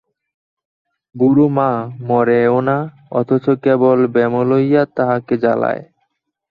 বুড়ো মা মরেও না, অথচ কেবল ব্যামো লইয়া তাহাকে জ্বালায়।